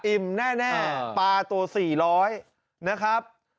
แน่ปลาตัว๔๐๐นะครับ